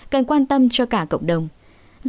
cần quan tâm cho cả các dịch vụ